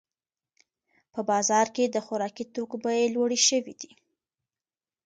په بازار کې د خوراکي توکو بیې لوړې شوې دي.